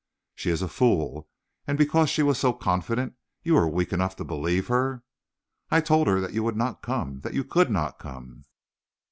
"She is a fool. And because she was so confident, you were weak enough to believe her?" "I told her that you would not come; that you could not come!"